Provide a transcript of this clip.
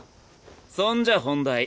そんじゃ本題。